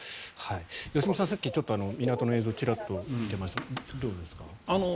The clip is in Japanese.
良純さん、さっき港の映像チラッと見ていましたがどうですか？